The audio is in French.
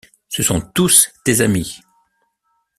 Ce sont tous tes amis!